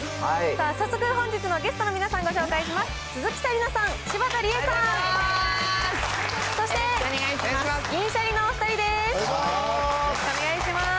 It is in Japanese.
さあ、早速本日のゲストの皆さん、ご紹介します。